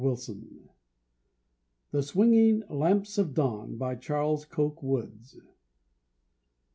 CHICAGO.] THE SWINGING LAMPS OF DAWN. REV. CHARLES COKE WOODS.